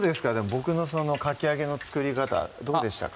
僕のかき揚げの作り方どうでしたか？